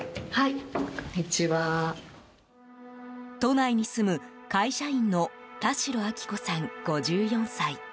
都内に住む会社員の田代亜紀子さん、５４歳。